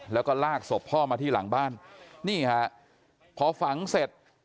แล้วก็ลากศพพ่อมาที่หลังบ้านนี่ฮะพอฝังเสร็จ